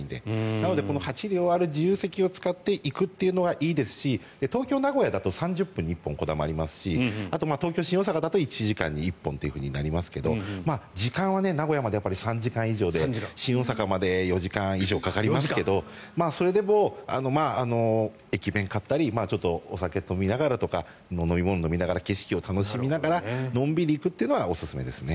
なので、８両ある自由席を使って行くのがいいですし東京名古屋だと３０分に１本こだまがありますし東京新大阪だと１時間に１本となりますが時間は名古屋まで３時間以上で新大阪まで４時間以上かかりますけどそれでも駅弁を買ったりお酒を飲みながらとか飲み物を飲みながら景色を楽しみながらのんびり行くっていうのがおすすめですね。